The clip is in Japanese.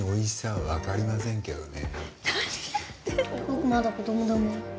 僕まだ子供だもーん。